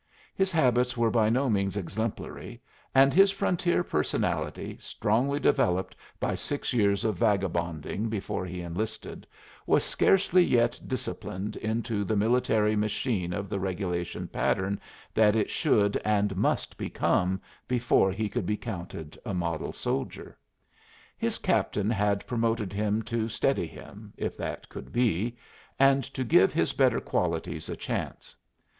His habits were by no means exemplary; and his frontier personality, strongly developed by six years of vagabonding before he enlisted, was scarcely yet disciplined into the military machine of the regulation pattern that it should and must become before he could be counted a model soldier. His captain had promoted him to steady him, if that could be, and to give his better qualities a chance.